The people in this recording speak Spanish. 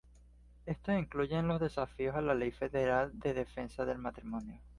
Estos incluyen los desafíos a la ley federal de defensa del matrimonio.